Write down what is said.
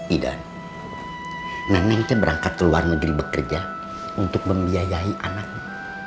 idan neneknya berangkat keluar negeri bekerja untuk membiayai anaknya